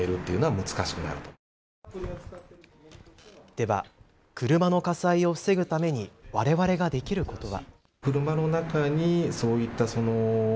では車の火災を防ぐためにわれわれができることは。